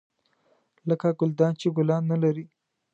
لکه ګلدان چې ګلان نه لري .